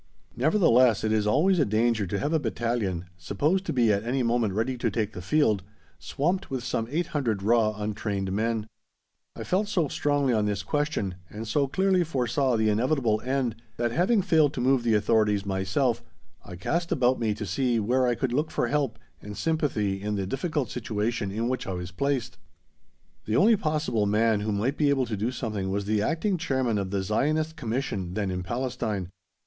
Nevertheless, it is always a danger to have a battalion, supposed to be at any moment ready to take the field, swamped with some 800 raw untrained men. I felt so strongly on this question, and so clearly foresaw the inevitable end, that having failed to move the authorities myself, I cast about me to see where I could look for help and sympathy in the difficult situation in which I was placed; the only possible man who might be able to do something was the Acting Chairman of the Zionist Commission then in Palestine.